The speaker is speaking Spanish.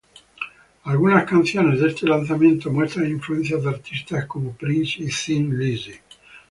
Algunas canciones de este lanzamiento muestran influencias de artistas como Prince y Thin Lizzy.